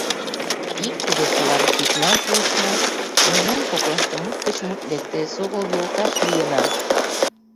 Икте-весылан киднам пуышна, мемнан коклаште мут гыч мут лекте, эсогыл йолташ лийына.